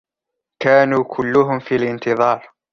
كانو كلهم في الانتظار.